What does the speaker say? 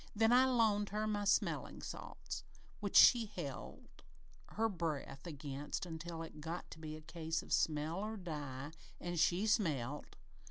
Then I loaned her my smellin' salts, which she held her breath against until it got to be a case of smell or die, an' she smelt!